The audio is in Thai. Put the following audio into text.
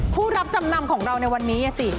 ผู้รับจำนำของเราในวันนี้สิ